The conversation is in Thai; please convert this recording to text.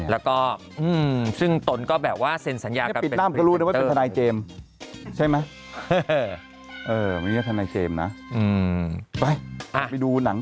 แล้วก็ซึ่งตนก็แบบว่าเซ็นสัญญา